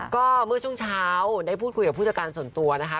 ก็เมื่อช่วงเช้าได้พูดคุยกับผู้จัดการส่วนตัวนะคะ